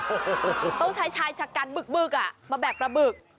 โอ้โหต้องใช้ชายชะกันบึกอ่ะมาแบกปลาบึก